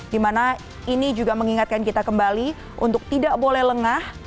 dimana ini juga mengingatkan kita kembali untuk tidak boleh lengah